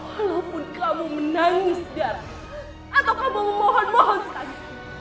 walaupun kamu menangis darah atau kamu memohon mohon saja